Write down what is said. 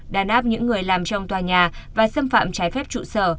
đàn áp những người làm trong tòa nhà và xâm phạm trái phép trụ sở